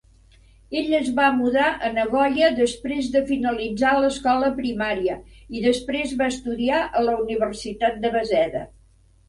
Ell es va mudar a Nagoya després de finalitzar l'escola primària i després va estudiar a la Universitat de Waseda.